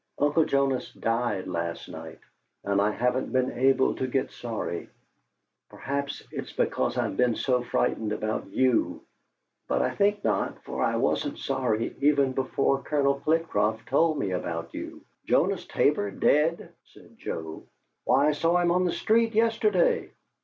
Uncle Jonas died last night, and I haven't been able to get sorry. Perhaps it's because I've been so frightened about you, but I think not, for I wasn't sorry even before Colonel Flitcroft told me about you." "Jonas Tabor dead!" said Joe. "Why, I saw him on the street yesterday!"